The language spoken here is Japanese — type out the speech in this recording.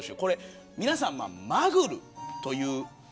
皆さんマグルという。